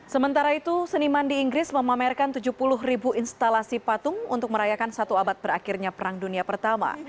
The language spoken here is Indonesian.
sementara itu seniman di inggris memamerkan tujuh puluh ribu instalasi patung untuk merayakan satu abad berakhirnya perang dunia pertama